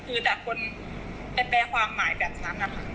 คือแต่คนไปแปลความหมายแบบนั้นนะคะ